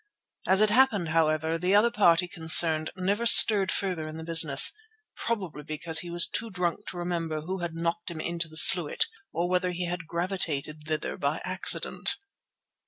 As it happened, however, the other party concerned never stirred further in the business, probably because he was too drunk to remember who had knocked him into the sluit or whether he had gravitated thither by accident.